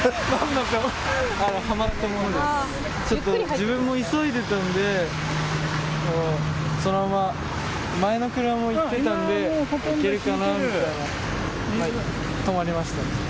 自分も急いでいたんでそのまま前の車も行っていたんで行けるかなというか、はまりました。